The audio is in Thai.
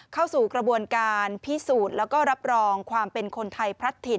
เข้าสู่กระบวนการพิสูจน์แล้วก็รับรองความเป็นคนไทยพลัดถิ่น